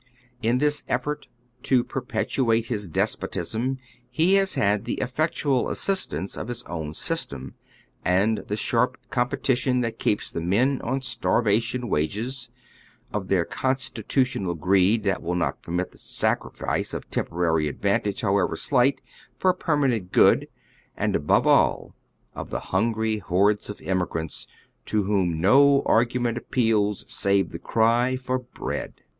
In this effort to perpetuate his des potism he has bad the effectual assistance of his own system and the sharp competition that keep the men on starvation wages ; of their constitutional greed, tliat will not permit the sacrifice of temporary advantage, however slight, for permanent good, and above all, of the hungry hordes of immigrants to whom no argument appeals save the cry for bread.